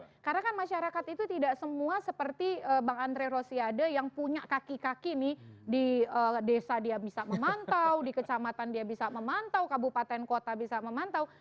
karena kan masyarakat itu tidak semua seperti bang andre rosiade yang punya kaki kaki nih di desa dia bisa memantau di kecamatan dia bisa memantau kabupaten kota bisa memantau